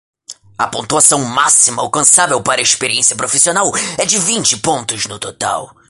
A pontuação máxima alcançável para a experiência profissional é de vinte pontos no total.